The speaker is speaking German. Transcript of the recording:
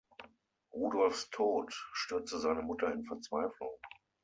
Rudolfs Tod stürzte seine Mutter in Verzweiflung.